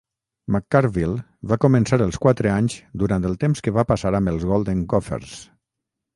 McCarville va començar els quatre anys durant el temps que va passar amb els Golden Gophers.